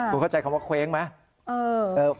คุณเข้าใจคำว่าเคว้งไหม